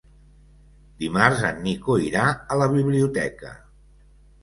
Dimarts en Nico irà a la biblioteca.